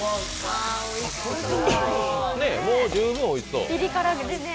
もう十分おいしそう。